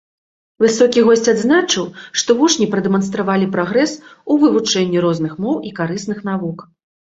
Высокі госць адзначыў, што вучні прадэманстравалі прагрэс у вывучэнні розных моў і карысных навук.